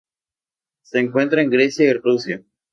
Se encuentra en Grecia y Rusia.